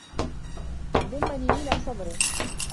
ضمّني إلى صدره.